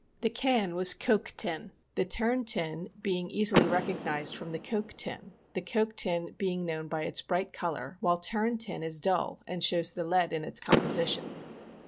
The can was coke tin. The terne tin being easily recognized from coke tin — the coke tin being known by its bright color, while Terne tin is dull and shows the lead in its composition.